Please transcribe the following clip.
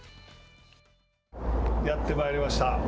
やってまいりました。